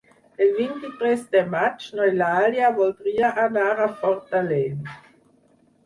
El vint-i-tres de maig n'Eulàlia voldria anar a Fortaleny.